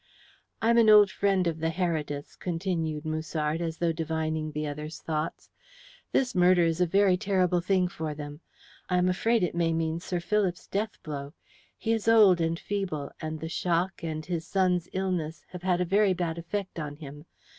"I am an old friend of the Herediths," continued Musard, as though divining the other's thoughts. "This murder is a very terrible thing for them. I am afraid it may mean Sir Philip's death blow. He is old and feeble, and the shock, and his son's illness, have had a very bad effect on him.